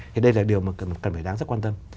thì đây là điều mà cần phải đáng rất quan tâm